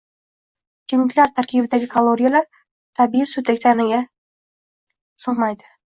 ichimliklar tarkibidagi kaloriyalar tabiiy suvdek tanaga singmaydi.